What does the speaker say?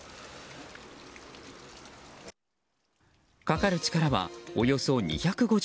かかる力は、およそ２５０ｋｇ。